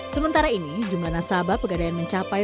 sementara ini jumlah nasabah pegadaian mencapai